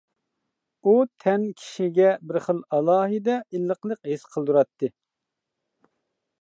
ئۇ تەن كىشىگە بىر خىل ئالاھىدە ئىللىقلىق ھېس قىلدۇراتتى.